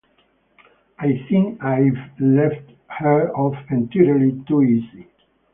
I think I’ve let her off entirely too easy.